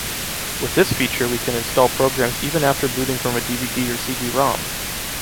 With this feature we can install programs even after booting from a DVD or CD-ROM.